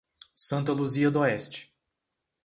Santa Luzia d'Oeste